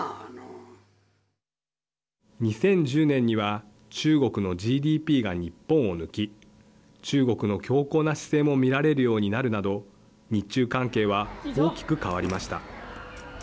２０１０年には中国のＧＤＰが日本を抜き中国の強硬な姿勢も見られるようになるなど日中関係は大きく変わりました。